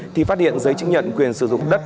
thì phát hiện giấy chứng nhận quyền sử dụng đất